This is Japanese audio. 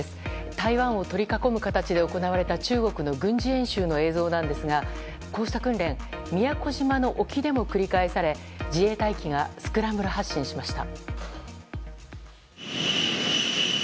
台湾を取り囲む形で行われた中国の軍事演習の映像なんですがこうした訓練、宮古島の沖でも繰り返され、自衛隊機がスクランブル発進しました。